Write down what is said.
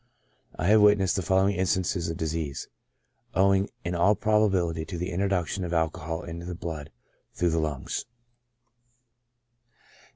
I have witnessed the following instances of disease, owing in all probability to the introduction of alco hol into the blood through the lungs.